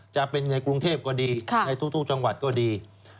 จะเป็นในกรุงเทพก็ดีในทุกจังหวัดก็ดี